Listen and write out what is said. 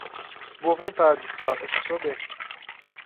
Boa vontade, prata que soa bem.